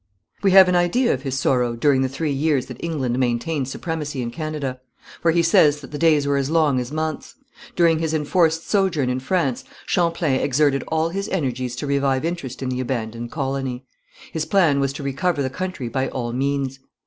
We have an idea of his sorrow during the three years that England maintained supremacy in Canada, for he says that the days were as long as months. During his enforced sojourn in France, Champlain exerted all his energies to revive interest in the abandoned colony. His plan was to recover the country by all means.